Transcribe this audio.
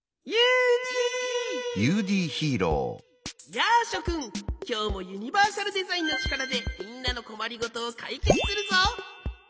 やあしょくんきょうもユニバーサルデザインのちからでみんなのこまりごとをかいけつするぞ。